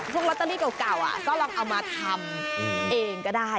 ลอตเตอรี่เก่าก็ลองเอามาทำเองก็ได้